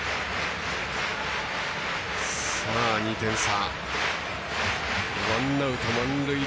２点差。